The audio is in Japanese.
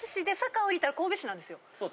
そう。